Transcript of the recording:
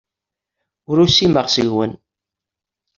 Ur usimeɣ seg-wen.